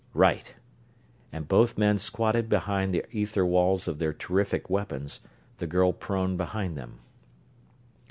"Right," and both men squatted down behind the ether walls of their terrific weapons; the girl prone behind them.